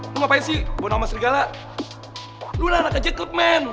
lu gimana sih lu